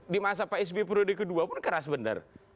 di masa pak sb prodi ke dua pun keras benar